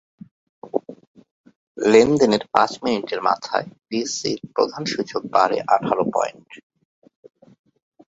লেনদেনের পাঁচ মিনিটের মাথায় ডিএসইর প্রধান সূচক বাড়ে আঠারো পয়েন্ট।